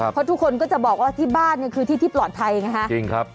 เพราะทุกคนก็จะบอกว่าที่บ้านเนี่ยคือที่ที่ปลอดภัยไงฮะจริงครับ